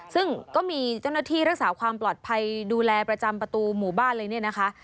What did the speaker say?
ซึ่งก็มีเจ้าหน้าที่รักษาความปลอดภัยดูแลประจำประตูหมู่บ้านเลยเนี่ยนะคะ